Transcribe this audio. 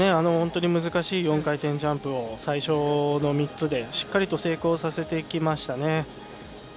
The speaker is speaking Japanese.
難しい４回転ジャンプを最初の３つでしっかりと成功させてきましたね。